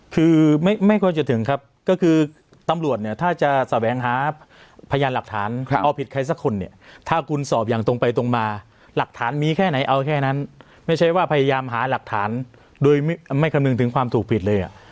คือไม่ค่อยจะถึงครับก็คือตำรวจเนี่ยถ้าจะแสวงหาพยานหลักฐานเอาผิดใครสักคนเนี่ยถ้าคุณสอบอย่างตรงไปตรงมาหลักฐานมีแค่ไหนเอาแค่นั้นไม่ใช่ว่าพยายามหาหลักฐานโดยไม่คำนึงถึงความถูกผิดเลย